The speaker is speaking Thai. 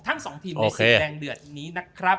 ทั้งสองทีมในศึกแดงเดือดนี้นะครับ